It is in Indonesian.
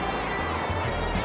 jangan makan aku